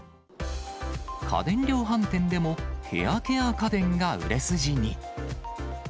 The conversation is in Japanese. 家電量販店でもヘアケア家電が売れ筋に。